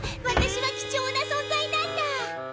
ワタシは貴重な存在なんだ。